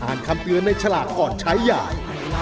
อ่านคำเตือนในฉลากก่อนใช้อย่าง